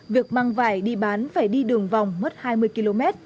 việc mang vải đi bán phải đi đường vòng mất hai mươi km